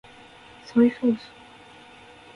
ソイソース